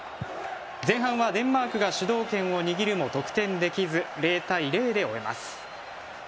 前半はデンマークが主導権を握るも得点できず０対０で終えます。